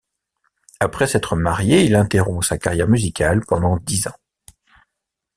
Après s'être marié il interrompt sa carrière musicale pendant dix ans.